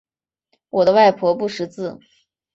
我的外婆不识字